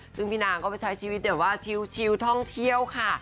ซึ่งพี่นางก็ไปใช้ชีวิตแบบว่าชิลท่องเที่ยวค่ะ